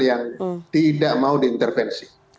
yang tidak mau diintervensi